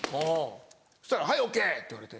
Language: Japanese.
そしたら「はいＯＫ」って言われて。